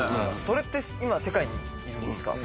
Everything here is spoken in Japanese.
それって今、世界にいるんですか？